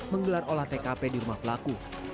menggelar olah tkp di rumah pelaku